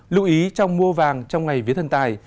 lưu ý trong mua vàng trong ngày vía thần tài